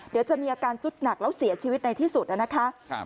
เดี๋ยวจะมีอาการสุดหนักแล้วเสียชีวิตในที่สุดนะคะ